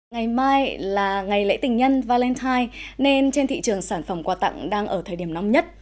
ngày mai là ngày lễ tình nhân valentine nên trên thị trường sản phẩm quà tặng đang ở thời điểm nóng nhất